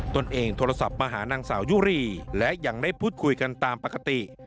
ตนเองโทรศัพท์มาหานางสาวยุรีและยังได้พูดคุยกันตามปกติ